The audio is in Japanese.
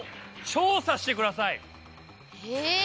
え！